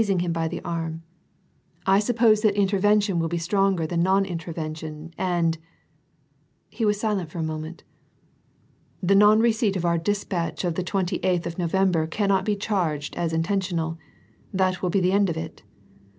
ing him by the arm, ^'I supx)ose that intervention will be stronger than non intervention, and" — He was silent for a moment, — "the non receipt of our despatch of the twenty eighth of November cannot be charged as intentional. That will be the end of it."